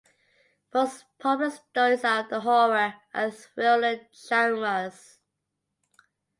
Most popular stories are of the horror and thriller genres.